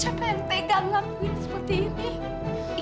siapa yang tegang aku seperti ini